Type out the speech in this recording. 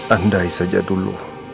andai saja dulu